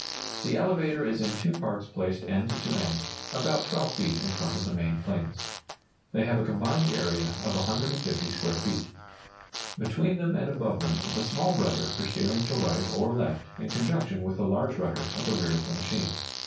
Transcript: The elevator is in two parts placed end to end, about 12 feet in front of the main planes. They have a combined area of 150 square feet. Between them and above them is a small rudder for steering to right or left in conjunction with the large rudder at the rear of the machine.